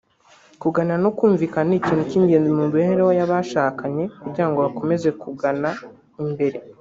Kuganira no kumvikana ni ikintu cy’ingenzi mu mibereho y’abashakanye kugira ngo bakomeze kugana imbere